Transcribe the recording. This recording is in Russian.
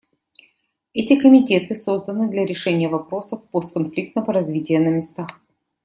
Эти комитеты созданы для решения вопросов постконфликтного развития на местах.